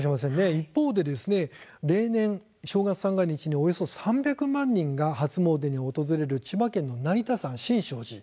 一方で例年、正月三が日に３００万人が初詣に訪れる千葉県の成田山新勝寺